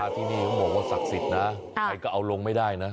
ที่นี่เขาบอกว่าศักดิ์สิทธิ์นะใครก็เอาลงไม่ได้นะ